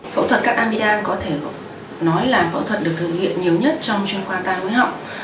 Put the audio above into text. phẫu thuật cắt amidam có thể nói là phẫu thuật được thực hiện nhiều nhất trong trường khoa ca huy học